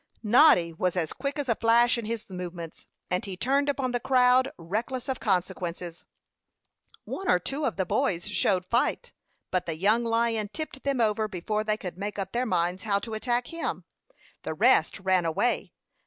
Noddy was as quick as a flash in his movements, and he turned upon the crowd, reckless of consequences. One or two of the boys showed fight; but the young lion tipped them over before they could make up their minds how to attack him. The rest ran away.